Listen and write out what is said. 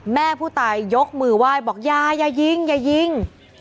แม่ผู้ตายยกมือว่ายบอกยาอย่ายิ่งอย่ายิ่ง